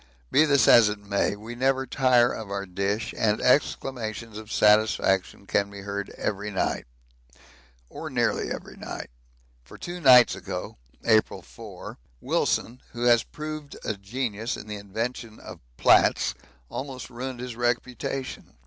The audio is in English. Be this as it may, we never tire of our dish and exclamations of satisfaction can be heard every night or nearly every night, for two nights ago [April 4] Wilson, who has proved a genius in the invention of 'plats,' almost ruined his reputation.